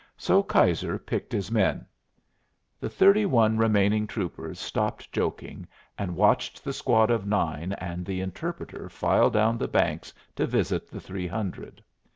So Keyser picked his men. The thirty one remaining troopers stopped joking, and watched the squad of nine and the interpreter file down the bank to visit the three hundred.